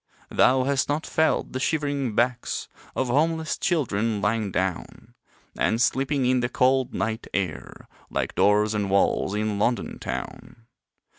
Thou hast not felt the shivering backs Of homeless children lying down And sleeping in the cold, night air Like doors and walls in London town.